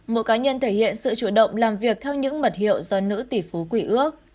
mỗi cá nhân thể hiện sự chủ động làm việc theo những mật hiệu do nữ tỷ phú quý ước